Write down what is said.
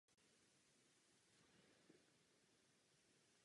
Kostel je koncipován jako trojlodní bazilika s hranolovou věží v západním průčelí.